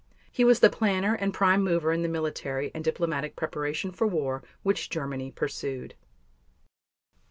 He was the planner and prime mover in the military and diplomatic preparation for war which Germany pursued.